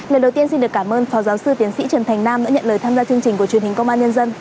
lời đầu tiên xin được cảm ơn phó giáo sư tiến sĩ trần thành nam đã nhận lời tham gia chương trình của truyền hình công an nhân dân